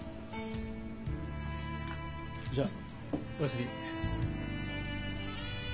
じゃあおやすみ。